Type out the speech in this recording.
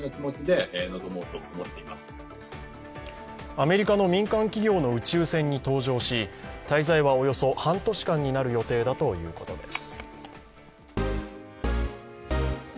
アメリカの民間企業の宇宙船に搭乗し滞在はおよそ半年間になる予定だということです。